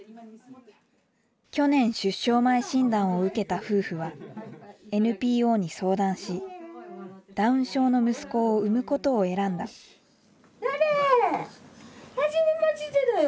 去年出生前診断を受けた夫婦はＮＰＯに相談しダウン症の息子を生むことを選んだはじめましてだよ。